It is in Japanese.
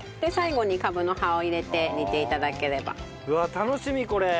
楽しみこれ。